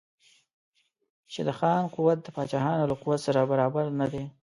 چې د خان قوت د پاچاهانو له قوت سره برابر نه دی.